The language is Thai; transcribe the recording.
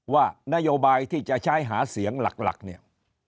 ว่านโยบายที่จะใช้หาเสียงหลักเนี่ย